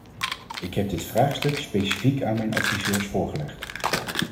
Ik heb dit vraagstuk specifiek aan mijn adviseurs voorgelegd.